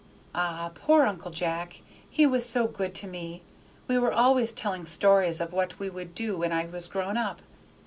"Ah, poor Uncle Jack! he was so good to me! We were always telling stories of what we would do when I was grown up.